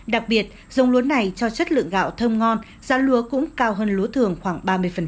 đặc biệt giống lúa này cho chất lượng gạo thơm ngon giá lúa cũng cao hơn lúa thường khoảng ba mươi